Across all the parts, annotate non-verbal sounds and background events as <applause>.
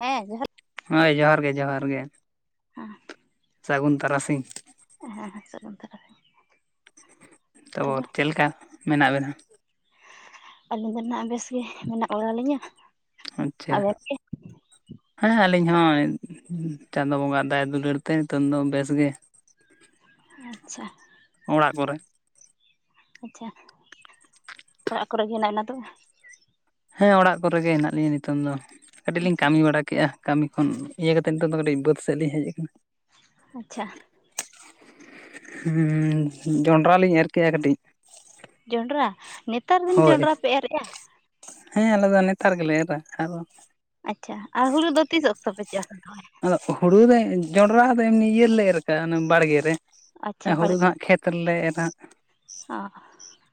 ᱦᱮᱸ ᱡᱚᱦᱟᱨ ᱦᱳᱭ ᱡᱚᱦᱟᱨ ᱜᱮ ᱡᱚᱦᱟᱨ ᱜᱮ ᱥᱟᱹᱜᱩᱱ ᱛᱟᱨᱟᱥᱤᱧ ᱦᱮᱸ ᱥᱟᱹᱜᱩᱱ ᱛᱟᱨᱟ ᱥᱤᱧ ᱛᱟᱯᱚᱨ ᱪᱮᱫᱞᱮᱠᱟ ᱢᱮᱱᱟᱜ ᱵᱮᱱᱟ? ᱟᱹᱞᱤᱧ ᱫᱚ ᱱᱟᱜ ᱵᱮᱥ ᱜᱮ ᱢᱮᱱᱟᱜ ᱵᱟᱲᱟᱞᱤᱧᱟᱹ ᱟᱪᱪᱷᱟ <inaudible> ᱦᱮᱸ ᱟᱹᱞᱤᱧ ᱦᱚᱸ ᱪᱟᱸᱫᱚ ᱵᱚᱸᱜᱟ ᱫᱟᱭᱟ ᱫᱩᱞᱟᱹᱲ ᱛᱮ ᱱᱤᱛᱚᱝ ᱫᱚ ᱵᱮᱥ ᱜᱮ ᱟᱪᱪᱷᱟ ᱚᱲᱟᱜ ᱠᱚᱨᱮ ᱟᱪᱪᱷᱟ ᱚᱲᱟᱜ ᱠᱚᱨᱮ ᱜᱮ ᱦᱮᱱᱟᱜ ᱵᱮᱱᱟ ᱫᱚ ᱦᱮᱸ ᱚᱲᱟᱜ ᱠᱚᱨᱮ ᱜᱮ ᱦᱮᱱᱟᱜ ᱞᱤᱧᱟ ᱱᱤᱛᱚᱝ ᱫᱚ ᱠᱟᱹᱴᱤᱡ ᱞᱤᱧ ᱟᱪᱪᱷᱟ ᱠᱟᱹᱢᱤ ᱵᱟᱲᱟ ᱠᱮᱜᱼᱟ᱾ ᱠᱟᱹᱢᱤ ᱠᱷᱚᱱ ᱤᱭᱟᱹ ᱠᱟᱛᱮᱫ ᱱᱤᱛᱚᱜ ᱫᱚ ᱠᱟᱹᱴᱤᱡᱽ ᱵᱟᱹᱫᱽ ᱥᱮᱫ ᱞᱤᱧ ᱦᱮᱡ ᱟᱠᱟᱱᱟ᱾ ᱟᱪᱪᱷᱟ ᱡᱚᱱᱰᱨᱟ ᱞᱤᱧ ᱮᱨ ᱠᱮᱜᱼᱟ ᱠᱟᱹᱴᱤᱡ᱾ ᱡᱚᱸᱰᱨᱟ ᱱᱮᱛᱟᱨ ᱫᱤᱱ ᱦᱳᱭ ᱡᱚᱸᱰᱨᱟ ᱯᱮ ᱮᱨᱮᱫᱼᱟ ᱦᱮᱸ ᱟᱞᱮ ᱫᱚ ᱱᱮᱛᱟᱨ ᱜᱮᱞᱮ ᱮᱨᱟ ᱟᱨ ᱟᱪᱪᱷᱟ ᱟᱨ ᱦᱩᱲᱩ ᱫᱚ ᱛᱤᱥ ᱚᱠᱛᱚ ᱯᱮ ᱪᱟᱥᱟ ᱛᱚᱵᱮ ᱟᱫᱚ ᱦᱩᱲᱩ ᱫᱚ ᱡᱚᱸᱰᱨᱟ ᱫᱚ ᱮᱢᱱᱤ ᱤᱭᱟᱹ ᱨᱮᱞᱮ ᱮᱨ ᱞᱮᱠᱟ ᱵᱟᱲᱜᱮ ᱨᱮ ᱟᱪᱪᱷᱟ ᱦᱩᱲᱩ ᱵᱟᱲᱜᱮ ᱫᱚ ᱦᱟᱸᱜ ᱠᱷᱮᱛ ᱠᱷᱮᱛ ᱨᱮᱞᱮ ᱮᱨᱟ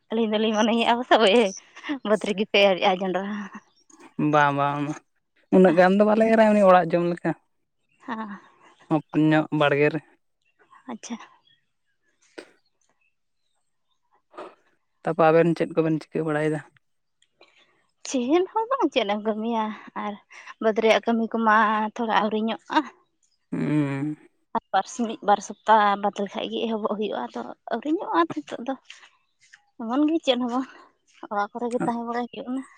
ᱟᱹᱞᱤᱧ ᱫᱚᱞᱤᱧ ᱢᱚᱱᱮᱭᱮᱜᱼᱟ ᱯᱟᱥᱮᱜ ᱵᱟᱹᱫᱽ ᱨᱮᱜᱮᱯᱮ ᱮᱨᱮᱫᱼᱟ ᱡᱚᱸᱰᱨᱟ ᱵᱟᱝ ᱵᱟᱝ ᱵᱟᱝ ᱩᱱᱟᱹᱜ ᱜᱟᱱ ᱫᱚ ᱵᱟᱞᱮ ᱮᱨᱟ ᱮᱢᱱᱤ ᱚᱲᱟᱜ ᱡᱚᱢ ᱞᱮᱠᱟ ᱚᱸ ᱯᱩᱧᱚᱜ ᱵᱟᱲᱜᱮ ᱨᱮ ᱟᱪᱪᱷᱟ ᱛᱟᱯᱚᱨ ᱟᱵᱮᱱ ᱪᱮᱫ ᱠᱚᱵᱮᱱ ᱪᱤᱠᱟᱹ ᱵᱟᱲᱟᱭᱮᱫᱟ? ᱪᱮᱫ ᱦᱚᱸ ᱵᱟᱝ, ᱪᱮᱫ ᱮᱢ ᱠᱟᱹᱢᱤᱭᱟ ᱟᱨ ᱵᱟᱹᱫᱽ ᱨᱮᱭᱟᱜ ᱠᱟᱹᱢᱤ ᱠᱚᱢᱟ ᱛᱷᱚᱲᱟ ᱟᱹᱣᱨᱤᱧᱚᱜᱼᱟ ᱾ ᱩᱸᱻ ᱵᱟᱨ ᱥᱤᱧ ᱢᱤᱫ ᱵᱟᱨ ᱥᱚᱯᱛᱟᱦ ᱵᱟᱫᱽ ᱞᱮᱠᱷᱟᱡ ᱜᱮ ᱮᱦᱚᱵᱚᱜ ᱦᱩᱭᱩᱜᱼᱟ ᱟᱫᱚ ᱟᱹᱣᱨᱤᱧᱚᱜᱼᱟ ᱱᱤᱛᱚᱜ ᱫᱚ ᱾ ᱮᱢᱚᱱ ᱜᱮ ᱪᱮᱫ ᱦᱚᱸᱵᱚᱱ ᱚᱲᱟᱜ ᱠᱚᱨᱮᱜ ᱜᱮ ᱛᱟᱦᱮᱸ ᱵᱟᱲᱟᱭ ᱦᱩᱭᱩᱜ ᱠᱟᱱᱟ ᱾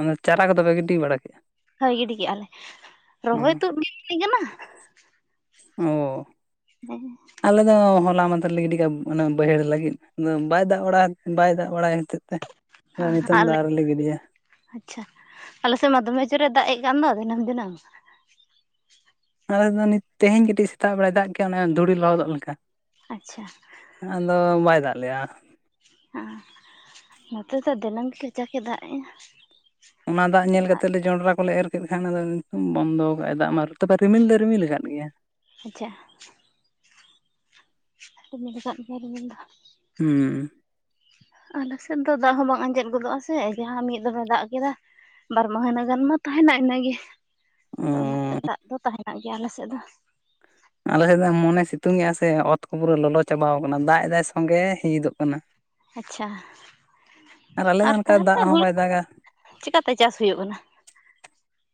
ᱚᱱᱟ ᱪᱟᱨᱟ ᱠᱚᱫᱚ ᱯᱮ ᱜᱤᱰᱤ ᱵᱟᱲᱟ ᱠᱮᱫᱼᱟ? ᱦᱳᱭ ᱜᱤᱰᱤ ᱠᱮᱫᱼᱟ ᱞᱮ ᱨᱚᱦᱚᱭ ᱛᱩᱫ ᱜᱮ <unintelligible> ᱠᱟᱱᱟ ᱾ ᱚ ᱦᱮᱸ ᱟᱞᱮ ᱫᱚ ᱦᱚᱞᱟ ᱢᱟᱫᱷᱮᱨ ᱨᱮ ᱞᱮ ᱜᱤᱰᱤ ᱠᱟᱜᱼᱟ ᱚᱱᱟ ᱵᱟᱹᱭᱦᱟᱹᱲ ᱞᱟᱹᱜᱤᱫ ᱵᱟᱭ ᱫᱟᱜ ᱵᱟᱲᱟ ᱵᱟᱭ ᱫᱟᱜ ᱵᱟᱲᱟᱭ ᱦᱚᱛᱮᱫ ᱛᱮ ᱟᱫᱚ ᱱᱤᱛᱚᱝ ᱫᱚ ᱟᱞᱮ ᱟᱹᱣᱨᱤ ᱞᱮ ᱜᱤᱫᱤᱭᱟ ᱾ ᱟᱪᱪᱷᱟ ᱟᱞᱮ ᱥᱮᱫ ᱢᱟ ᱫᱚᱢᱮ ᱡᱩᱨᱮᱱ ᱫᱟᱜ ᱮ ᱠᱟᱱ ᱫᱚ ᱫᱤᱱᱟᱹᱢ ᱫᱤᱱᱟᱹᱝ ᱾ ᱟᱞᱮ ᱫᱚ ᱱᱤᱛ ᱛᱮᱦᱮᱧ ᱠᱟᱹᱴᱤᱡ ᱥᱮᱛᱟᱜ ᱵᱮᱲᱟᱭ ᱫᱟᱜ ᱠᱮᱜ-ᱟ ᱚᱱᱮ ᱫᱷᱩᱲᱤ ᱞᱚᱦᱚᱫᱚᱜ ᱞᱮᱠᱟ ᱾ ᱟᱪᱪᱷᱟ ᱾ ᱟᱫᱚ ᱵᱟᱭ ᱫᱟᱜ ᱞᱮᱜᱼᱟ ᱾ ᱱᱚᱛᱮ ᱫᱚ ᱫᱤᱱᱟᱝ ᱜᱮ ᱠᱷᱮᱡᱟᱠ ᱠᱮ ᱫᱟᱜ ᱮᱜ ᱟ ᱾ ᱚᱱᱟ ᱫᱟᱜ ᱧᱮᱞ ᱠᱟᱛᱮᱫ ᱞᱮ ᱡᱚᱸᱰᱨᱟ ᱠᱚᱞᱮ ᱮᱨ ᱠᱮᱫ ᱠᱷᱟᱱ ᱚᱱᱟᱫᱚ ᱵᱚᱱᱫᱚ ᱠᱟᱜᱼᱟ ᱫᱟᱜ ᱢᱟ, ᱛᱚᱵᱮ ᱨᱤᱢᱤᱞ ᱫᱚ ᱨᱤᱢᱤᱞ ᱟᱠᱟᱫ ᱜᱮᱭᱟ ᱾ ᱟᱪᱪᱷᱟ ᱾ ᱢᱮᱱ ᱟᱠᱟᱫ ᱜᱮᱭᱟ ᱫᱚ ᱾ ᱦᱩᱸ ᱟᱞᱮ ᱥᱮᱫ ᱫᱚ ᱫᱟᱜ ᱦᱚᱸ ᱵᱟᱝ ᱟᱸᱡᱮᱫ ᱜᱚᱫᱚᱜᱼᱟ ᱥᱮ ᱡᱟᱦᱟᱸ ᱢᱤᱫ ᱫᱚᱢᱮ ᱫᱟᱜ ᱠᱮᱫᱟ ᱵᱟᱨ ᱢᱟᱹᱦᱤᱱᱟ ᱜᱟᱱ ᱢᱟ ᱛᱟᱦᱮᱱᱟ ᱤᱱᱟᱹᱜᱮ, ᱚ ᱟᱫᱚ ᱚᱱᱟᱛᱮ ᱫᱟᱜ ᱫᱚ ᱛᱟᱦᱮᱱᱟ ᱜᱮᱭᱟ ᱟᱞᱮ ᱥᱮᱫ ᱫᱚ ᱾ ᱟᱞᱮ ᱥᱮᱫ ᱫᱚ ᱮᱢᱚᱱᱮ ᱥᱤᱛᱩᱝ ᱮᱼᱟ ᱥᱮ ᱚᱛ ᱠᱚ ᱯᱩᱨᱟᱹ ᱞᱚᱞᱚ ᱪᱟᱵᱟᱣ ᱠᱟᱱᱟ ᱫᱟᱜ ᱮᱫᱟᱭ ᱥᱚᱸᱜᱮ ᱦᱤᱡᱤᱫᱚᱜ ᱠᱟᱱᱟ ᱾ ᱟᱪᱪᱷᱟ ᱟᱞᱮ ᱫᱚ ᱟᱨ ᱚᱱᱠᱟ ᱫᱟᱜ ᱛᱟᱦᱚᱞᱮ ᱦᱚᱸ ᱦᱩᱲᱩ ᱵᱟᱭ ᱫᱟᱜᱟ <unintelligible> ᱪᱮᱠᱟᱛᱮ ᱪᱟᱥ ᱦᱩᱭᱩᱜ ᱠᱟᱱᱟ?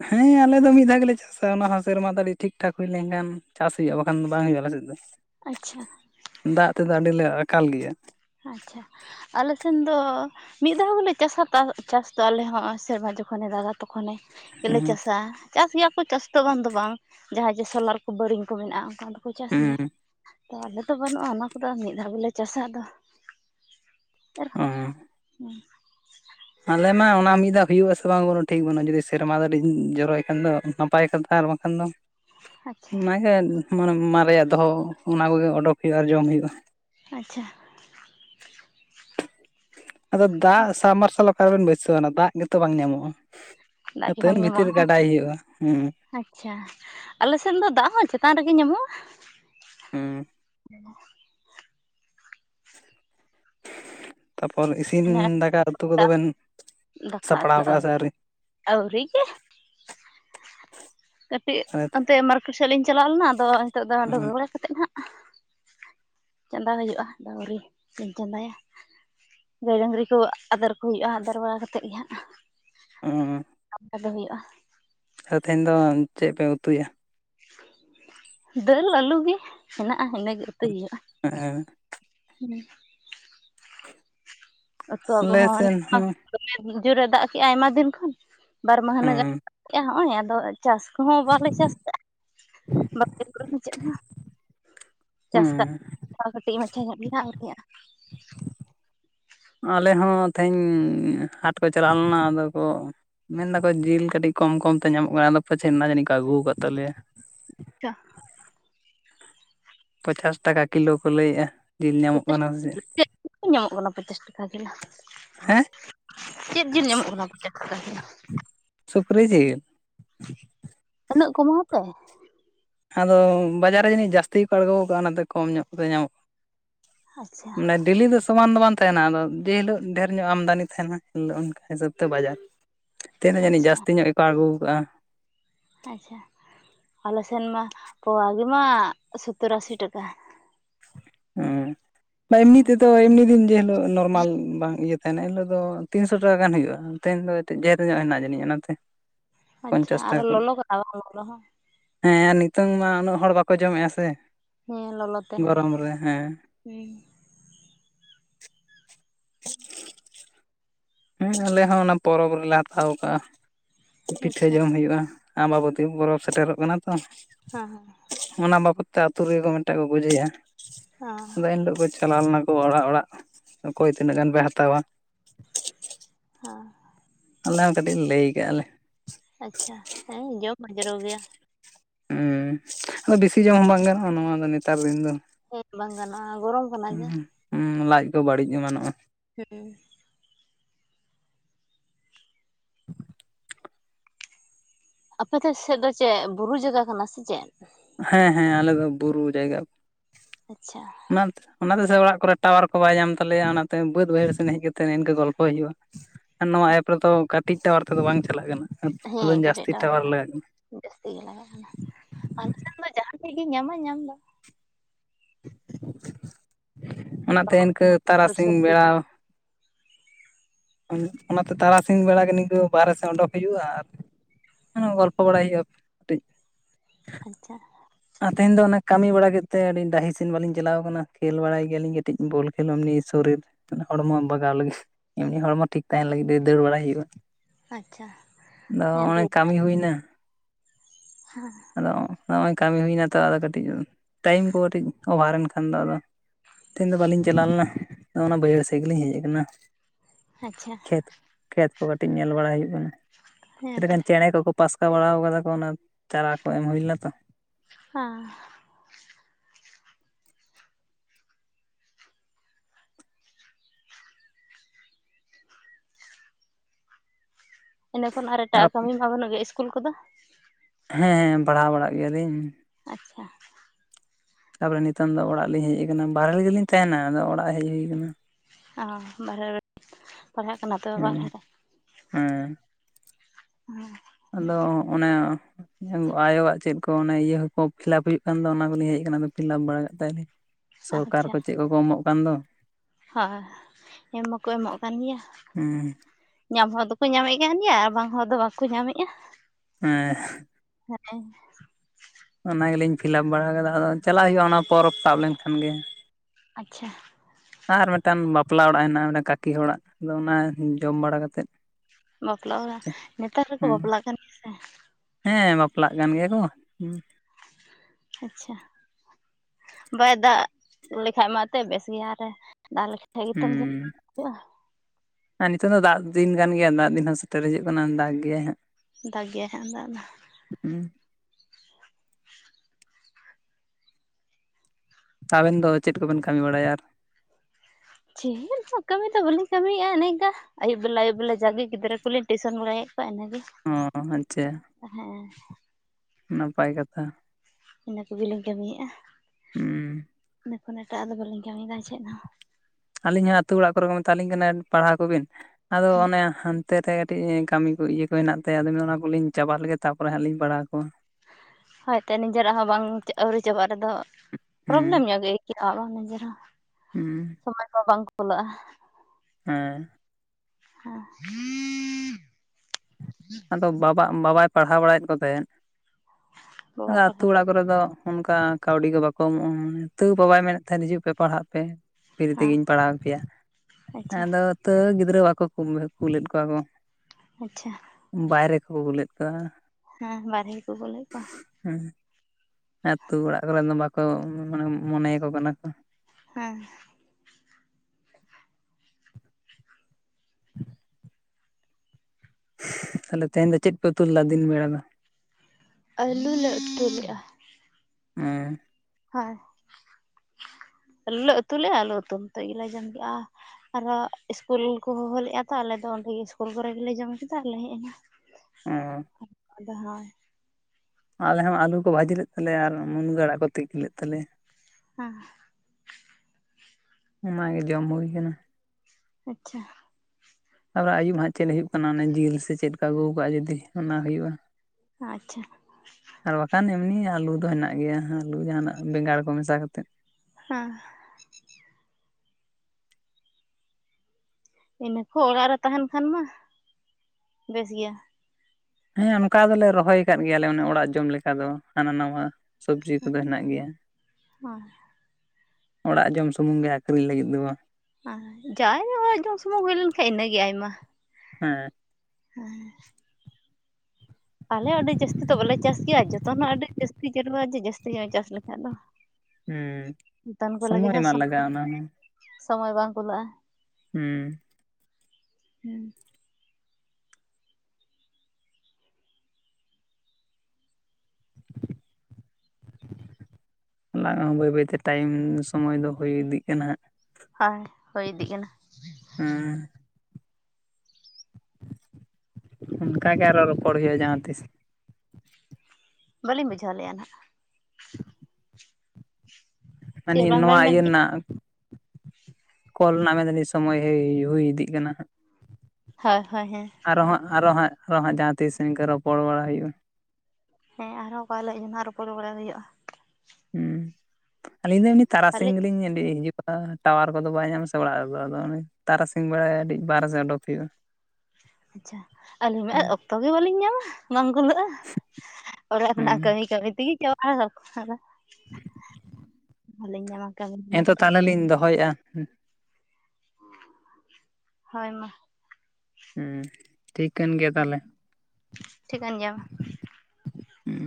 ᱦᱮᱸ ᱟᱞᱮ ᱫᱚ ᱢᱤᱫ ᱫᱷᱟᱣ ᱜᱮᱞᱮ ᱪᱟᱥᱟ ᱚᱱᱟ ᱦᱚᱸ ᱥᱮᱨᱢᱟ ᱫᱚ ᱟᱹᱰᱤ ᱴᱷᱤᱠ ᱴᱷᱟᱠ ᱦᱩᱭ ᱞᱮᱱᱠᱷᱟᱱ ᱾ ᱪᱟᱥ ᱦᱩᱭᱩᱜᱼᱟ ᱵᱟᱠᱷᱟᱱ ᱫᱚ ᱵᱟᱝ ᱦᱩᱭᱩᱜᱼᱟ ᱟᱞᱮᱥᱮᱫ ᱫᱚ ᱾ ᱟᱪᱪᱷᱟ ᱾ ᱫᱟᱜ ᱛᱮᱫᱚ ᱟᱹᱰᱤᱞᱮ ᱟᱠᱟᱞ ᱜᱮᱭᱟ ᱾ ᱟᱪᱪᱷᱟ ᱟᱞᱮ ᱥᱮᱱ ᱫᱚ ᱢᱤᱫ ᱫᱷᱟᱣ <inaudible> ᱪᱟᱥᱟ, ᱪᱟᱥ ᱫᱚ ᱟᱞᱮ ᱦᱚᱸ ᱥᱮᱨᱢᱟ ᱡᱚᱠᱷᱚᱱᱮ ᱫᱟᱜᱟ ᱛᱚᱠᱷᱚᱱᱮ ᱜᱮᱞᱮ ᱦᱩᱸ ᱪᱟᱥᱟ, ᱪᱟᱥ ᱜᱮᱭᱟ ᱠᱚ ᱪᱟᱥ ᱫᱚ ᱵᱟᱝ ᱫᱚ ᱵᱟᱝ ᱡᱟᱦᱟᱸᱭ ᱡᱮ ᱥᱳᱞᱟᱨ ᱠᱚ ᱵᱳᱨᱤᱝ ᱠᱚ ᱢᱮᱱᱟᱜᱼᱟ <inaudible> ᱠᱚ ᱪᱟᱥ ᱜᱮᱭᱟ, ᱦᱩᱸ ᱛᱚ ᱟᱞᱮ ᱫᱚ ᱵᱟᱹᱱᱩᱜᱼᱟ ᱚᱱᱟ ᱠᱚᱫᱚ ᱢᱤᱫ ᱫᱷᱟᱣ ᱜᱮᱞᱮ ᱪᱟᱥᱟ ᱟᱫᱚ ᱮ ᱨᱮᱦᱚᱸ ᱚ ᱦᱩ ᱾ ᱟᱞᱮ ᱢᱟ ᱚᱱᱟ ᱢᱤᱫ ᱫᱷᱟᱣ ᱦᱩᱭᱩᱜ ᱟᱥᱮ ᱵᱟᱝ ᱠᱚᱱᱚ ᱴᱷᱤᱠ ᱵᱟᱹᱱᱩᱜᱼᱟ, ᱡᱩᱫᱤ ᱥᱮᱨᱢᱟ ᱡᱟᱲᱤ ᱡᱚᱨᱚᱭ ᱠᱷᱟᱱ ᱫᱚ ᱱᱟᱯᱟᱭ ᱠᱟᱛᱷᱟ ᱟᱨ ᱵᱟᱝᱠᱷ ᱠᱷᱟᱱ ᱫᱚ ᱟᱪᱪᱷᱟ ᱚᱱᱟᱜᱮ ᱢᱟᱱᱮ ᱢᱟᱨᱮᱭᱟᱜ ᱫᱚᱦᱚ ᱚᱱᱟ ᱠᱚᱜᱮ ᱚᱰᱚᱠ ᱦᱳᱭᱳᱜᱼᱟ ᱟᱨ ᱡᱚᱢ ᱦᱳᱭᱳᱜᱼᱟ ᱾ ᱟᱪᱪᱷᱟ ᱾ ᱟᱫᱚ ᱫᱟᱜ ᱥᱟᱢ ᱢᱟᱨᱥᱟᱞ ᱚᱠᱟᱨᱮᱵᱮᱱ ᱵᱟᱹᱭᱥᱟᱹᱣᱟ ᱫᱟᱜ ᱜᱮᱛᱚ ᱵᱟᱝ ᱧᱟᱢᱚᱜᱼᱟ ᱾ ᱫᱟᱜ ᱜᱮ ᱟᱹᱛᱷᱟᱹᱱ ᱵᱟᱝ ᱵᱷᱤᱛᱤᱨ ᱧᱟᱢᱚᱜᱼᱟ ᱨᱮ ᱵᱟᱝ ᱜᱟᱰᱟᱭ ᱦᱩᱭᱩᱜᱼᱟ ᱦᱩᱸ ᱾ ᱟᱪᱪᱷᱟ ᱟᱞᱮ ᱥᱮᱱ ᱫᱚ ᱫᱟᱜ ᱦᱚᱸ ᱪᱮᱛᱟᱱ ᱨᱮᱜᱮ ᱧᱟᱢᱚᱜᱼᱟ ᱾ ᱦᱩᱸ <inaudible> ᱛᱟᱯᱚᱨ ᱤᱥᱤᱱ ᱫᱟᱠᱟ ᱩᱛᱩ ᱠᱚᱫᱚ ᱫᱟᱜ ᱵᱮᱱ ᱥᱟᱯᱲᱟᱣ ᱠᱟᱜᱼᱟ ᱥᱮ ᱟᱣᱨᱤ? ᱟᱣᱨᱤ ᱜᱮ ᱾ ᱠᱟᱹᱴᱤᱡ ᱚᱱᱛᱮ ᱢᱟᱨᱠᱮᱴ ᱥᱮᱫ ᱞᱤᱧ ᱪᱟᱞᱟᱣ ᱞᱮᱱᱟ ᱟᱫᱚ ᱦᱤᱛᱳᱜ ᱫᱚ ᱰᱟᱹᱵᱨᱟᱹ ᱦᱩᱸ ᱵᱟᱲᱟ ᱠᱟᱛᱮᱫ ᱦᱟᱸᱜ ᱪᱚᱸᱫᱟ ᱦᱳᱭᱳᱜᱼᱟ, ᱟᱫᱚ ᱟᱣᱨᱤ ᱞᱤᱧ ᱪᱚᱸᱫᱟᱭᱟ ᱾ ᱜᱟᱹᱭ ᱰᱟᱹᱝᱨᱤ ᱠᱚ ᱟᱫᱮᱨ ᱠᱚ ᱦᱩᱭᱩᱜᱼᱟ ᱟᱫᱮᱨ ᱵᱟᱲᱟ ᱠᱟᱛᱮᱫ ᱜᱮ ᱦᱟᱸᱜ ᱾ ᱩᱸ <inaudible> ᱦᱩᱭᱩᱜᱼᱟ ᱾ ᱟᱫᱚ ᱛᱮᱦᱮᱧ ᱫᱚ ᱪᱮᱫ ᱯᱮ ᱩᱛᱩᱭᱟ ᱫᱟᱹᱞ ᱟᱞᱩ ᱜᱮ ᱦᱮᱱᱟᱜᱼᱟ, ᱤᱱᱟᱹ ᱜᱮ ᱩᱛᱩᱭ ᱦᱩᱭᱩᱜᱼᱟ ᱦᱮᱸ <inaudible> ᱩᱛᱩ ᱟᱜᱩ ᱟᱞᱮ ᱦᱚᱸ ᱥᱮᱱ <inaudible> ᱫᱚᱢᱮ ᱡᱳᱨᱮ ᱫᱟᱜ ᱠᱮᱜᱼᱟ ᱟᱭᱢᱟ ᱫᱤᱱ ᱠᱷᱚᱱ ᱵᱟᱨ ᱢᱟᱹᱦᱱᱟᱹ ᱜᱟᱱᱮ ᱦᱩᱸ ᱫᱟᱜ <inaudible> ᱦᱚᱜ-ᱚᱭ ᱟᱫᱚ ᱪᱟᱥ ᱠᱚᱦᱚᱸ ᱵᱟᱞᱮ ᱪᱟᱥ ᱠᱟᱜ-ᱟ <unintelligible> ᱪᱟᱥ ᱦᱩᱸ ᱠᱟᱜ ᱠᱟᱹᱴᱤᱡ ᱢᱟᱪᱷᱟ ᱧᱚᱜ ᱢᱮᱱᱟᱜᱼᱟ ᱟᱣᱨᱤᱭᱟᱜ-ᱟ ᱟᱞᱮ ᱦᱚᱸ ᱛᱮᱦᱮᱧ ᱦᱟᱴ ᱠᱚ ᱪᱟᱞᱟᱣ ᱞᱮᱱᱟ ᱟᱫᱚ ᱠᱚ ᱢᱮᱱ ᱫᱟᱠᱚ ᱡᱤᱞ ᱠᱟᱹᱴᱤᱡ ᱠᱚᱢ ᱠᱚᱢ ᱛᱮ ᱧᱟᱢᱚᱜ ᱠᱟᱱᱟ ᱟᱫᱚ ᱯᱟᱪᱷᱮ <inaudible> ᱡᱟᱹᱱᱤᱡ ᱠᱚ ᱟᱹᱜᱩ ᱠᱟᱜ ᱛᱟᱞᱮᱭᱟ <inaudible> ᱯᱚᱪᱟᱥ ᱴᱟᱠᱟ ᱠᱤᱞᱳ ᱠᱚ ᱞᱟᱹᱭᱮᱜᱼᱟ <inaudible> ᱯᱚᱪᱟᱥ ᱴᱟᱠᱟ ᱠᱤᱞᱳ ᱦᱮᱸ ᱪᱮᱫ ᱡᱤᱞ ᱧᱟᱢᱚᱜ ᱠᱟᱱᱟ ᱯᱚᱪᱟᱥ ᱴᱟᱠᱟ ᱠᱤᱞᱳ ᱥᱩᱠᱨᱤ ᱡᱤᱞ ᱩᱱᱟᱹᱜ ᱠᱚᱢᱟ ᱛᱮ ᱟᱫᱚ ᱵᱟᱡᱟᱨ ᱨᱮ ᱡᱟᱹᱱᱤᱡ ᱡᱟᱹᱥᱛᱤ ᱜᱮᱠᱚ ᱟᱲᱜᱳ ᱠᱟᱜᱼᱟ ᱚᱱᱟᱛᱮ ᱠᱚᱢ ᱧᱚᱜ ᱛᱮ ᱧᱟᱢᱚᱜ ᱟᱪᱪᱷᱟ ᱢᱟᱱᱮ ᱰᱮᱞᱤ ᱫᱚ ᱥᱚᱢᱟᱱ ᱫᱚ ᱵᱟᱝ ᱛᱟᱦᱮᱱᱟ ᱟᱫᱚ ᱡᱮ ᱦᱤᱞᱳᱜ ᱰᱷᱮᱨ ᱧᱚᱜ ᱟᱢᱫᱟᱱᱤ ᱛᱟᱦᱮᱱᱟ ᱤᱱᱦᱤᱞᱳᱜ ᱚᱱᱠᱟ ᱦᱤᱥᱟᱹᱵ ᱛᱮ ᱵᱟᱡᱟᱨ <inaudible> ᱛᱮᱦᱮᱧ ᱫᱚ ᱡᱟᱹᱱᱤᱡ ᱟᱪᱪᱷᱟ ᱡᱟᱹᱥᱛᱤ ᱧᱚᱜ ᱜᱮᱠᱚ ᱟᱜᱩ ᱠᱟᱜᱼᱟ ᱟᱪᱪᱷᱟ᱾ ᱟᱞᱮ ᱥᱮᱱ ᱢᱟ ᱛᱳᱣᱟ ᱜᱮ ᱢᱟ ᱥᱚᱛᱛᱚᱨ ᱟᱥᱤ ᱴᱟᱠᱟ ᱦᱮ ᱮᱢᱱᱤ ᱦᱩᱸ ᱛᱮᱛᱚ ᱮᱢᱱᱤ ᱫᱤᱱ ᱡᱮ ᱦᱤᱞᱳᱜ ᱢᱟᱞ ᱵᱟᱝ ᱤᱭᱟᱹ ᱛᱟᱦᱮᱱᱟ ᱮᱱᱦᱤᱞᱳᱜ ᱫᱚ ᱛᱤᱱᱥᱚ ᱴᱟᱠᱟ ᱜᱟᱱ ᱦᱩᱭᱩᱜᱼᱟ, ᱛᱮᱦᱮᱞ ᱫᱚᱴᱤᱡ ᱰᱷᱮᱨ ᱧᱚᱜ ᱦᱮᱱᱟᱜ-ᱟ ᱡᱟᱹᱱᱤᱡ ᱚᱱᱟᱛᱮ ᱟᱪᱪᱷᱟ ᱯᱚᱧᱪᱟᱥ ᱟᱨᱚ ᱴᱟᱠᱟ ᱠᱷᱚᱱ ᱞᱚᱞᱚ <inaudible> ᱦᱮᱸ ᱟᱨ ᱱᱤᱛᱚᱝ ᱢᱟ ᱩᱱᱟᱹᱜ ᱦᱚᱲ ᱵᱟᱠᱚ ᱡᱚᱢᱮᱜᱼᱟ ᱥᱮ ᱦᱮᱸ ᱞᱚᱞᱚ ᱛᱮ ᱜᱚᱨᱚᱢ ᱨᱮ ᱦᱮᱸ ᱦᱩ <inaudible> ᱦᱮᱸ ᱟᱞᱮ ᱦᱚᱸ ᱚᱱᱟ ᱯᱚᱨᱚᱵᱽ ᱨᱮᱞᱮ ᱦᱟᱛᱟᱣ ᱠᱟᱜᱼᱟ ᱯᱤᱴᱷᱟᱹ ᱟᱪᱪᱷᱟ ᱡᱚᱢ ᱦᱩᱭᱩᱜᱼᱟ᱾ ᱟᱵᱟᱵᱚᱛᱤ ᱯᱚᱨᱚᱵᱽ ᱥᱮᱴᱮᱨᱚᱜ ᱠᱟᱱᱟ ᱛᱚ ᱦᱮᱸ ᱦᱮᱸ ᱚᱱᱟ ᱵᱟᱵᱚᱛ-ᱛᱮ ᱟᱛᱳ ᱨᱮᱜᱮ ᱠᱚ ᱢᱤᱫᱴᱮᱡ ᱠᱚ ᱜᱚᱡᱮᱭᱟ ᱦᱮᱸ ᱟᱫᱚ ᱮᱱᱦᱤᱞᱳᱜ ᱪᱟᱞᱟᱣ ᱞᱮᱱᱟ ᱠᱚ ᱚᱲᱟᱜ ᱚᱲᱟᱜ ᱚᱠᱚᱭ ᱛᱤᱱᱟᱹᱜ ᱜᱟᱱ ᱯᱮ ᱦᱟᱛᱟᱣᱟ <unintelligible> ᱚ ᱟᱞᱮ ᱦᱚᱸ ᱠᱟᱹᱴᱤᱡ ᱞᱟᱹᱭ ᱠᱟᱜᱼᱟ ᱞᱮ ᱟᱪᱪᱷᱟ ᱦᱮᱸ ᱡᱚᱢ ᱦᱚᱸ <unintelligible> ᱜᱮᱭᱟ ᱦᱮᱸ᱾ ᱟᱫᱚ ᱵᱮᱥᱤ ᱡᱚᱢ ᱦᱚᱸ ᱵᱟᱝ ᱜᱟᱱᱚᱜᱼᱟ ᱱᱚᱣᱟ ᱫᱚ ᱱᱮᱛᱟᱨ ᱫᱤᱱ ᱫᱚ᱾ ᱦᱮᱸ ᱵᱟᱝ ᱜᱟᱱᱚᱜᱼᱟ ᱜᱚᱨᱚᱢ ᱠᱟᱱᱟ ᱡᱮ ᱦᱩᱸ ᱞᱟᱡ ᱠᱚ ᱵᱟᱹᱲᱤᱡ ᱮᱢᱟᱱᱚᱜᱼᱟ ᱦᱮᱸ ᱟᱯᱮ ᱥᱮᱫ ᱫᱚ ᱪᱮᱫ ᱵᱩᱨᱩ ᱡᱟᱭᱜᱟ ᱠᱟᱱᱟ ᱥᱮ ᱪᱮᱫ? ᱦᱮᱸ ᱦᱮᱸ ᱟᱞᱮ ᱫᱚ ᱵᱩᱨᱩ ᱡᱟᱭᱜᱟ ᱟᱪᱪᱷᱟ ᱚᱱᱟ ᱚᱱᱟᱛᱮ ᱥᱮ ᱚᱲᱟᱜ ᱠᱚᱨᱮ ᱴᱟᱣᱟᱨ ᱠᱚ ᱵᱟᱭ ᱧᱟᱢ ᱛᱟᱞᱮᱭᱟ ᱚᱱᱟᱛᱮ ᱵᱟᱹᱫᱽ ᱵᱟᱹᱭᱦᱟᱹᱲ ᱥᱮᱱ ᱦᱮᱡ ᱠᱟᱛᱮᱫ ᱱᱤᱱᱠᱟᱹ ᱜᱚᱞᱯᱚ ᱦᱩᱭᱩᱜᱼᱟ᱾ <inaudible> ᱟᱨ ᱱᱚᱣᱟ ᱮᱯ ᱨᱮᱫᱚ ᱠᱟᱹᱴᱤᱡ ᱴᱟᱣᱟᱨ ᱛᱮᱫᱚ ᱵᱟᱝ ᱪᱟᱞᱟᱜ ᱠᱟᱱᱟ᱾ᱟᱫᱚ ᱦᱮᱸ ᱠᱟᱹᱴᱤᱡ ᱡᱟᱹᱥᱛᱤ ᱴᱟᱣᱟᱨ ᱞᱟᱜᱟᱜ ᱠᱟᱱᱟ᱾ ᱡᱟᱹᱥᱛᱤ ᱜᱮ ᱞᱟᱜᱟᱜ ᱠᱟᱱᱟ᱾ ᱟᱞᱮᱥᱮᱫ ᱫᱚ ᱡᱟᱦᱟᱸ ᱛᱤᱱᱟᱹᱜ ᱜᱮᱤ ᱧᱟᱢᱟᱭ ᱧᱟᱢ ᱫᱚ ᱚᱱᱟᱛᱮ ᱤᱱᱠᱟᱹ ᱥᱩᱨ ᱛᱟᱨᱟᱥᱤᱧ ᱥᱩᱨ ᱛᱮ ᱵᱮᱲᱟ ᱚᱱᱟᱛᱮ ᱛᱟᱨᱟᱥᱤᱧ ᱵᱮᱲᱟ ᱜᱮ ᱱᱤᱱᱠᱟᱹ ᱵᱟᱦᱨᱮ ᱥᱮᱫ ᱚᱰᱚᱠᱚᱜ ᱦᱩᱭᱩᱜᱼᱟ ᱟᱨ ᱚᱱᱟ ᱜᱚᱞᱯᱚ ᱵᱟᱲᱟᱭ ᱦᱩᱭᱩᱜᱼᱟ᱾ ᱮᱯᱮ ᱟᱪᱪᱷᱟ ᱛᱮᱦᱮᱧ ᱫᱚ ᱚᱱᱟ ᱠᱟᱹᱢᱤ ᱵᱟᱲᱟ ᱠᱮᱫ ᱛᱮ ᱟᱹᱰᱤ ᱰᱟᱦᱤᱥᱮᱱ ᱵᱟᱞᱤᱧ ᱪᱟᱞᱟᱣ ᱟᱠᱟᱱᱟ ᱠᱷᱮᱞ ᱵᱟᱲᱟᱭ ᱜᱮᱭᱟᱞᱤᱧ ᱠᱟᱹᱴᱤᱡ ᱵᱚᱞ ᱠᱷᱮᱞ ᱮᱢᱱᱤ ᱠᱟᱴᱤᱡ ᱥᱚᱨᱤᱨ ᱦᱚᱲᱢᱚ ᱵᱟᱜᱟᱣ ᱞᱟᱹᱜᱤᱫ, ᱮᱢᱱᱤ ᱦᱚᱲᱢᱚ ᱴᱷᱤᱠ ᱛᱟᱦᱮᱱ ᱞᱟᱹᱜᱤᱫ ᱫᱟᱹᱲ ᱵᱟᱲᱟᱭ ᱦᱩᱭᱩᱜᱼᱟ ᱟᱪᱪᱷᱟ ᱟᱫᱚ ᱦᱮᱸ ᱚᱱᱮ ᱠᱟᱹᱢᱤ ᱦᱩᱭ ᱮᱱᱟ ᱦᱮᱸ ᱟᱫᱚ ᱱᱚᱜᱼᱚᱭ ᱠᱟᱹᱢᱤ ᱦᱩᱭᱱᱟ ᱛᱚ ᱟᱫᱚ ᱠᱟᱹᱴᱤᱡ ᱴᱟᱭᱤᱢ ᱠᱚ ᱠᱟᱹᱴᱤᱡ ᱚᱵᱷᱟᱨᱮᱱ ᱠᱷᱟᱱ ᱫᱚ ᱟᱫᱚ ᱛᱮᱦᱮᱧ ᱫᱚ ᱵᱟᱹᱞᱤᱧ ᱪᱟᱞᱟᱣ ᱞᱮᱱᱟ ᱚᱱᱟ ᱵᱟᱹᱭᱦᱟᱹᱲ ᱥᱮᱫ ᱜᱮᱞᱤᱧ ᱦᱮᱡ ᱟᱠᱟᱱᱟ ᱟᱪᱪᱷᱟ ᱠᱷᱮᱛ ᱠᱚ ᱠᱟᱹᱴᱤᱡ ᱧᱮᱞ ᱵᱟᱲᱟ ᱦᱩᱭᱩᱜ ᱠᱟᱱᱟ ᱦᱮᱸ ᱮᱱᱛᱮᱫ <unintelligible> ᱪᱮᱸᱬᱮ ᱠᱚᱠᱚ ᱯᱟᱥᱠᱟ ᱵᱟᱲᱟᱣ ᱠᱟᱫᱟ ᱠᱚ ᱚᱱᱟ ᱪᱟᱨᱟ ᱠᱚ ᱮᱢ ᱦᱩᱭᱞᱮᱱᱟ ᱛᱚ ᱦᱮᱸ ᱤᱱᱟᱹ ᱠᱷᱚᱱ ᱟᱨ ᱮᱴᱟᱜ ᱠᱟᱹᱢᱤ ᱫᱟ ᱵᱟᱹᱱᱩᱜ ᱜᱮᱭᱟ ᱤᱥᱠᱩᱞ ᱠᱚᱫᱚ ᱦᱮᱸ ᱯᱟᱲᱦᱟᱣ ᱵᱟᱲᱟᱜ ᱜᱮᱭᱟᱞᱤᱧ ᱟᱪᱪᱷᱟ ᱛᱟᱯᱚᱨᱮ ᱱᱤᱛᱚᱝ ᱫᱚ ᱚᱲᱟᱜ ᱞᱤᱧ ᱦᱮᱡ ᱟᱠᱟᱱᱟ ᱵᱟᱨᱦᱮ ᱨᱮ ᱜᱮᱞᱤᱧ ᱛᱟᱦᱮᱱᱟ ᱟᱫᱚ ᱚᱲᱟᱜ ᱦᱮᱡ ᱦᱩᱭ ᱟᱠᱟᱱᱟ ᱵᱟᱨᱦᱮ ᱨᱮ ᱵᱮᱱ ᱯᱟᱲᱦᱟᱜ ᱠᱟᱱᱟ ᱛᱚᱵᱮ ᱵᱟᱨᱦᱮ ᱨᱮ ᱦᱮᱸ ᱦᱮᱸ ᱟᱫᱚ ᱚᱱᱮ ᱟᱭᱳᱣᱟᱜ ᱪᱮᱫ ᱠᱚ ᱤᱭᱟᱹ ᱯᱷᱤᱞᱟᱯ ᱦᱩᱭᱩᱜ ᱠᱟᱱ ᱫᱚ ᱚᱱᱟ ᱠᱚᱞᱤᱧ ᱦᱮᱡ ᱟᱠᱟᱱᱟ ᱯᱷᱤᱞᱟᱯ ᱵᱟᱲᱟ ᱠᱟᱜ ᱛᱟᱭᱟᱞᱤᱧ ᱥᱚᱨᱠᱟᱨ ᱟᱪᱪᱷᱟ ᱠᱚ ᱪᱮᱫ ᱠᱚᱠᱚ ᱮᱢᱚᱜ ᱠᱟᱱ ᱫᱚ ᱦᱳᱭ ᱮᱢ ᱢᱟᱠᱚ ᱮᱢᱚᱜ ᱠᱟᱱ ᱜᱮᱭᱟ ᱦᱮᱸ ᱧᱟᱢ ᱦᱚᱲ ᱫᱚᱠᱚ ᱧᱟᱢᱮᱫ ᱠᱟᱱ ᱜᱮᱭᱟ ᱵᱟᱝ ᱦᱚᱲ ᱫᱚ ᱵᱟᱠᱚ ᱧᱟᱢᱮᱫᱼᱟ ᱦᱮᱸ ᱦᱮᱸ ᱚᱱᱟ ᱜᱮᱞᱤᱧ ᱯᱷᱤᱞᱟᱯ ᱵᱟᱲᱟ ᱠᱟᱫᱟ ᱟᱫᱚ ᱪᱟᱞᱟᱜ ᱦᱩᱭᱩᱜᱼᱟ ᱚᱱᱟ ᱯᱚᱨᱚᱵᱽ ᱛᱟᱵ ᱞᱮᱱᱠᱷᱟᱱ ᱜᱮ ᱟᱪᱪᱷᱟ ᱟᱨ ᱢᱤᱫᱴᱟᱝ ᱵᱟᱯᱞᱟ ᱚᱲᱟᱜ ᱦᱮᱱᱟᱜᱼᱟ ᱠᱟᱹᱠᱤ ᱦᱚᱲᱟᱜ ᱟᱫᱚ ᱚᱱᱟ ᱡᱚᱢ ᱵᱟᱲᱟ ᱠᱟᱛᱮᱫ ᱵᱟᱯᱞᱟ ᱚᱲᱟ ᱱᱮᱛᱟᱨ ᱦᱚᱸᱠᱚ ᱦᱮᱸ ᱵᱟᱯᱞᱟᱜ ᱠᱟᱱ ᱜᱮᱭᱟ ᱥᱮ ᱦᱮᱸ ᱵᱟᱯᱞᱟᱜ ᱠᱟᱱ ᱜᱮᱭᱟ ᱠᱚ ᱟᱪᱪᱷᱟ ᱵᱟᱭ ᱫᱟᱜ ᱞᱮᱠᱷᱟᱡ ᱟᱛᱮ ᱵᱮᱥ ᱜᱮᱭᱟ ᱟᱨᱮ ᱫᱟᱜ ᱞᱮᱠᱷ ᱟᱡ ᱦᱮᱸ ᱜᱮᱛᱚᱢ <unintelligible> ᱦᱩᱭᱩᱜ-ᱟ ᱟᱨ ᱱᱤᱛᱚᱝ ᱫᱚ ᱫᱟᱜ ᱫᱤᱱ ᱠᱟᱱ ᱜᱮᱭᱟ ᱫᱟᱜ ᱫᱤᱱ ᱦᱚ ᱥᱮᱴᱮᱨ ᱦᱤᱡᱩᱜ ᱠᱟᱱᱟ ᱫᱟᱜ ᱜᱮᱭᱟᱭ ᱦᱟᱸᱜ ᱫᱟᱜ ᱜᱮᱭᱟᱭ ᱦᱟᱜ ᱫᱟᱜ ᱫᱚ ᱦᱩᱸᱜ ᱩᱸ ᱟᱵᱮᱱ ᱫᱚ ᱪᱮᱫ ᱠᱚᱵᱮᱱ ᱠᱟᱹᱢᱤ ᱵᱟᱲᱟᱭᱟ ᱟᱨ ᱪᱮᱫ ᱦᱚ ᱠᱟᱹᱢᱤ ᱫᱚ ᱵᱟᱹᱞᱤᱧ ᱠᱟᱹᱢᱤᱭᱮᱫᱼᱟ ᱱᱮᱝᱠᱟ ᱟᱭᱩᱵ ᱵᱮᱞᱟ ᱟᱭᱩᱵ ᱵᱮᱞᱟ ᱡᱟᱞᱤ ᱜᱤᱫᱽᱨᱟᱹ ᱠᱚᱞᱤᱧ ᱴᱤᱭᱥᱚᱱ ᱵᱟᱲᱟᱭᱮᱫ ᱠᱚᱣᱟ ᱤᱱᱟᱹᱜᱮ ᱚ ᱟᱪᱪᱷᱟ ᱦᱮᱸ ᱱᱟᱯᱟᱭ ᱠᱟᱛᱷᱟ ᱤᱱᱟᱹ ᱠᱚᱜᱮᱞᱤᱧ ᱠᱟᱹᱢᱤᱭᱮᱫᱼᱟ, ᱦᱩᱸ ᱤᱱᱟᱹ ᱠᱷᱚᱱ ᱮᱴᱟᱜᱟᱜ ᱫᱚ ᱵᱟᱹᱞᱤᱧ ᱠᱟᱹᱢᱤᱭᱮᱫᱟ ᱪᱮᱫ ᱦᱚᱸ ᱟᱹᱞᱤᱧ ᱦᱚᱸ ᱟᱹᱛᱩ ᱚᱲᱟᱜ ᱠᱚᱨᱮ ᱠᱚ ᱢᱮᱛᱟᱞᱤᱧ ᱠᱟᱱᱟ ᱯᱟᱲᱦᱟᱣ ᱠᱚᱵᱤᱱ ᱟᱫᱚ ᱟᱪᱪᱷᱟ ᱚᱱᱮ ᱦᱟᱱ ᱛᱮᱨᱮ ᱠᱟᱴᱤᱡ ᱠᱟᱢᱤ ᱠᱳ ᱤᱭᱟᱹᱠᱩ ᱦᱮᱱᱟᱜ ᱛᱮ ᱟᱫᱚ ᱚᱱᱟ ᱠᱚᱞᱤᱧ ᱪᱟᱵᱟ ᱞᱮᱜᱮ ᱛᱟᱯᱚᱨᱮ ᱦᱟᱸᱜ ᱞᱤᱧ ᱯᱟᱲᱦᱟᱣ ᱠᱚᱣᱟ ᱦᱳᱭᱛᱚ ᱱᱤᱡᱮᱨᱟᱜ ᱦᱚ ᱵᱟᱝ ᱟᱹᱣᱨᱤ ᱪᱟᱵᱟᱜ ᱨᱮᱫᱚ ᱯᱨᱚᱵᱞᱮᱢ ᱦᱩᱸ ᱧᱚᱜ ᱜᱮ ᱪᱮᱫᱟᱜ ᱵᱟᱝ ᱞᱮᱡᱮᱨᱟ ᱦᱩ ᱥᱚᱢᱚᱭ ᱠᱚ ᱵᱟᱝ ᱠᱩᱞᱟᱹᱜᱼᱟ ᱦᱮᱸ ᱦᱮᱸ ᱟᱫᱚ ᱵᱟᱵᱟ ᱵᱟᱵᱟᱭ ᱯᱟᱲᱦᱟᱣ ᱵᱟᱲᱟᱭᱮᱫ ᱠᱚ ᱛᱟᱦᱮᱫ ᱟᱫᱚ ᱢᱳᱵᱟᱭᱤᱞ ᱟᱛᱩ ᱵᱟᱠᱷᱨᱟ ᱚᱲᱟᱜ ᱠᱚᱨᱮ ᱫᱚ ᱚᱱᱠᱟ ᱠᱟᱹᱣᱰᱤ ᱠᱚ ᱵᱟᱠᱚ ᱮᱢᱚᱜᱼᱟ ᱛᱟᱹᱣ ᱵᱟᱵᱟᱭ ᱢᱮᱱᱮᱫ ᱛᱟᱦᱮᱸᱱ ᱦᱤᱡᱩᱜ ᱯᱮ ᱯᱟᱲᱦᱟᱜ ᱛᱮ ᱯᱤᱨᱤ ᱦᱮᱸ ᱛᱮᱜᱮᱧ ᱯᱟᱲᱦᱟᱣ ᱯᱮᱭᱟ ᱟᱪᱪᱷᱟ ᱟᱫᱚ ᱛᱟᱹᱣ ᱜᱤᱫᱽᱨᱟᱹ ᱵᱟᱠᱚ ᱠᱩᱢ ᱠᱩᱞᱮᱫ ᱠᱚᱣᱟ ᱠᱚ ᱟᱪᱪᱷᱟ ᱵᱟᱭᱨᱮ ᱠᱩ ᱠᱩᱞᱮᱫ ᱠᱚᱣᱟ ᱦᱮ ᱵᱟᱨᱦᱮ ᱠᱚ ᱠᱚᱞᱮᱫ ᱠᱚᱣᱟ ᱦᱩ ᱟᱛᱳ ᱚᱲᱟᱜ ᱠᱚᱨᱮ ᱫᱚ ᱵᱟᱠᱚ ᱢᱟᱱᱮ ᱢᱚᱱᱮᱭᱟᱠᱚ ᱠᱟᱱᱟ ᱠᱚ ᱦᱮ ᱛᱟᱦᱞᱮ ᱛᱮᱦᱮᱧ ᱫᱚ ᱪᱮᱫ ᱯᱮ ᱩᱛᱩ ᱞᱮᱫᱟ ᱫᱤᱱ ᱵᱮᱲᱟ ᱫᱚ ᱟᱹᱞᱩ ᱞᱮ ᱩᱛᱩ ᱞᱮᱜ-ᱟ ᱩᱻ ᱦᱳᱭ ᱟᱞᱩ ᱞᱮ ᱩᱛᱩ ᱞᱮᱜ-ᱟ ᱟᱞᱩ ᱩᱛᱩ ᱟᱛᱮ ᱜᱮᱞᱮ ᱡᱚᱢ ᱠᱮᱜ-ᱟ ᱟᱨᱚ ᱤᱥᱠᱩᱞ ᱠᱚ ᱦᱚᱦᱚ ᱞᱮᱜ-ᱟ ᱛᱚ ᱟᱞᱮ ᱫᱚ ᱚᱸᱰᱮ ᱥᱠᱩᱞ ᱠᱚᱨᱮ ᱜᱮᱞᱮ ᱡᱚᱢ ᱠᱮᱫᱟ ᱟᱨᱞᱮ ᱦᱮᱡ ᱮᱱᱟ ᱦᱮᱸ ᱟᱫᱚ ᱦᱳᱭ ᱟᱞᱮ ᱦᱚᱸ ᱟᱞᱩ ᱠᱚ ᱵᱷᱟᱹᱡᱤ ᱞᱮᱫ ᱛᱟᱞᱮᱭᱟ ᱟᱨ ᱢᱩᱱᱜᱟᱹ ᱟᱲᱟᱜ ᱠᱚ ᱛᱤᱠᱤ ᱞᱮᱫ ᱛᱟᱞᱮᱭᱟ ᱦᱚ ᱚᱱᱟᱜᱮ ᱡᱚᱢ ᱦᱩᱭ ᱠᱟᱱᱟ ᱟᱪᱪᱷᱟ ᱟᱨ ᱟᱹᱭᱩᱵ ᱪᱮᱫ ᱦᱩᱭᱩᱜ ᱠᱟᱱᱟ ᱚᱱᱮ ᱡᱤᱞ ᱥᱮ ᱪᱮᱫ ᱠᱳ ᱟᱹᱜᱩ ᱠᱟᱜ-ᱟ ᱡᱩᱫᱤ ᱚᱱᱟ ᱦᱩᱭᱩᱜ-ᱟ ᱟᱪᱪᱷᱟ ᱟᱨ ᱵᱟᱠᱷᱟᱱ ᱮᱢᱱᱤ ᱟᱞᱩ ᱫᱚ ᱦᱮᱱᱟᱜ ᱜᱮᱭᱟ ᱟᱞᱩ ᱡᱟᱦᱱᱟᱜ ᱵᱮᱸᱜᱟᱲ ᱠᱚ ᱢᱮᱥᱟ ᱠᱟᱛᱮᱫ ᱦᱮ ᱤᱱᱟᱹᱠᱳ ᱚᱲᱟᱜ ᱨᱮ ᱛᱟᱦᱮᱱ ᱠᱷᱟᱱ ᱢᱟ ᱵᱮᱥ ᱜᱮᱭᱟ ᱦᱮ ᱚᱱᱠᱟ ᱫᱚᱞᱮ ᱨᱚᱦᱚᱭ ᱠᱟᱫ ᱜᱮᱭᱟ ᱞᱮ ᱚᱱᱮ ᱚᱲᱟᱜ ᱡᱚᱢ ᱞᱮᱠᱟ ᱫᱚ ᱦᱟᱱᱟ ᱱᱟᱣᱟ ᱥᱚᱵᱽᱡᱤ ᱠᱚᱫᱚ ᱦᱮᱱᱟᱜ ᱜᱮᱭᱟ ᱦᱮᱸ ᱚᱲᱟᱜ ᱡᱚᱢ ᱥᱩᱢᱩᱝ ᱜᱮ ᱟᱹᱠᱷᱨᱤᱧ ᱞᱟᱹᱜᱤᱫ ᱫᱚ ᱵᱟᱝ ᱾ ᱟᱨ ᱡᱟᱦᱟᱸᱭ ᱡᱚᱢ ᱥᱩᱢᱩᱝ ᱦᱩᱭ ᱞᱮᱱᱠᱷᱟᱡ ᱤᱱᱟᱹᱜᱮ ᱟᱭᱢᱟ ᱾ ᱦᱮᱸ ᱾ ᱦᱮᱸ ᱾ ᱟᱞᱮ ᱟᱹᱰᱤ ᱡᱟᱹᱥᱛᱤ ᱫᱚ ᱵᱟᱞᱮ ᱪᱟᱥ ᱜᱮᱭᱟ, ᱡᱚᱛᱚᱱᱟᱜ ᱟᱹᱰᱤ ᱡᱟᱹᱥᱛᱤ ᱡᱟᱹᱨᱩᱣᱟ ᱡᱮ ᱡᱟᱹᱥᱛᱤ ᱜᱮᱞᱮ ᱪᱟᱥ ᱞᱮᱠᱷᱟᱡ ᱫᱚ ᱾ ᱦᱩᱸ, ᱥᱚᱢᱚᱭ ᱮᱢ ᱞᱟᱜᱟᱜ-ᱟ ᱚᱱᱟ ᱦᱚᱸ ᱾ ᱥᱚᱢᱚᱭ ᱵᱟᱝ ᱠᱩᱞᱟᱹᱜ-ᱟ ᱾ ᱦᱩᱸ ᱾ ᱦᱩᱸ ᱾ ᱟᱞᱟᱝᱟ ᱦᱚᱸ ᱵᱟᱹᱭ ᱵᱟᱹᱭᱛᱮ ᱴᱟᱭᱤᱢ ᱥᱚᱢᱚᱭ ᱫᱚ ᱦᱩᱭ ᱤᱫᱤᱜ ᱠᱟᱱᱟ ᱦᱟᱸᱜ ᱾ ᱦᱳᱭ ᱦᱩᱭ ᱤᱫᱤᱜ ᱠᱟᱱᱟ ᱾ ᱦᱮᱸ ᱾ ᱚᱱᱠᱟ ᱜᱮ ᱟᱨᱚ ᱨᱚᱯᱚᱲ ᱦᱩᱭᱩᱜ-ᱟ ᱡᱟᱦᱟ ᱛᱤᱥ ᱵᱟᱹᱞᱤᱧ ᱵᱩᱡᱟᱹᱣ ᱞᱮᱜ-ᱟ ᱱᱟᱦᱟᱜ ᱢᱟᱱᱮ ᱪᱮᱫ ᱵᱟᱝ ᱵᱮᱱ ᱱᱚᱣᱟ ᱢᱮᱱ ᱤᱭᱟᱹ ᱠᱮᱜ ᱨᱮᱱᱟᱜ ᱠᱚᱞ ᱨᱮᱱᱟᱜ ᱢᱮᱱ ᱫᱟᱹᱞᱤᱧ ᱥᱚᱢᱚᱭ ᱦᱩᱭ ᱦᱩᱭ ᱤᱫᱤᱜ ᱠᱟᱱᱟ ᱦᱟᱸᱜ ᱾ ᱦᱳᱭ ᱦᱳᱭ, ᱦᱮᱸ ᱾ ᱟᱨᱚ ᱦᱟᱸᱜ ᱟᱨᱦᱚᱸ ᱦᱟᱸᱜ ᱟᱨᱚ ᱦᱟᱸᱜ ᱡᱟᱦᱟᱸ ᱛᱤᱥ ᱤᱱᱠᱟᱹ ᱨᱚᱯᱚᱲ ᱵᱟᱲᱟ ᱦᱩᱭᱩᱜᱼᱟ ᱾ ᱦᱮᱸ, ᱟᱨᱦᱚ ᱚᱠᱟ ᱦᱤᱞᱳᱜ ᱦᱟᱸᱜ ᱨᱚᱯᱚᱲ ᱵᱟᱲᱟ ᱦᱩᱭᱩᱜ-ᱟ ᱾ ᱦᱩᱸ, ᱟᱹᱞᱤᱧ ᱫᱚ ᱩᱱᱤ ᱛᱟᱨᱟᱥᱤᱧ ᱟᱞᱮ ᱜᱮᱞᱤᱧ ᱧᱮᱞ ᱦᱤᱡᱩᱜ ᱾ ᱴᱟᱣᱟᱨ ᱠᱚᱫᱚ ᱵᱟᱭ ᱧᱟᱢ ᱟᱥᱮ ᱚᱲᱟᱜ ᱨᱮᱫᱚ ᱟᱫᱚ ᱛᱟᱨᱟᱥᱤᱧ ᱵᱮᱲᱟᱭ ᱟᱹᱰᱤ ᱵᱟᱨᱦᱮ ᱥᱮ ᱚᱰᱚᱠ ᱦᱩᱭᱩᱜ-ᱟ ᱾ ᱟᱪᱪᱷᱟ, ᱟᱹᱞᱤᱧ ᱢᱟ ᱚᱠᱛᱚ ᱜᱮ ᱵᱟᱹᱞᱤᱧ ᱧᱟᱢᱟ, ᱵᱟᱝ ᱠᱩᱞᱟᱹᱜ-ᱟ ᱾ ᱚᱲᱟᱜ ᱦᱮᱸ ᱨᱮᱱᱟᱜ ᱠᱟᱹᱢᱤ ᱠᱟᱹᱢᱤ ᱛᱮᱜᱮ ᱪᱟᱵᱟᱜ-ᱟ ᱚᱠᱛᱚ ᱫᱚ ᱾ ᱵᱟᱹᱞᱤᱧ ᱧᱟᱢᱟ ᱾ ᱦᱮᱸᱛᱚ ᱛᱟᱦᱚᱞᱮ ᱞᱤᱧ ᱫᱚᱦᱚᱭᱮᱫ-ᱟ ᱾ ᱦᱳᱭ ᱢᱟ ᱾ ᱦᱮᱸ, ᱴᱷᱤᱠ ᱠᱟᱱ ᱜᱮᱭᱟ ᱛᱟᱦᱞᱮ ᱾ ᱴᱷᱤᱠᱟᱹᱧ ᱧᱟᱢᱟ ᱦᱮᱸ